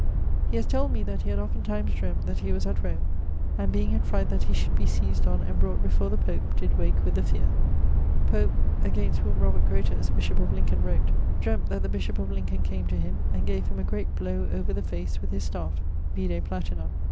He haz told me that he had oftentimes dream't that he was at Rome, and being in fright that he should be seised on and brought before the pope, did wake with the feare.[LXII.] [LXII.] Pope ... (against whom Robert Grotest, bishop of Lincolne, wrote) dreamt that the bishop of Lincolne came to him, and gave him a great blowe over the face with his staffe: vide Platinam.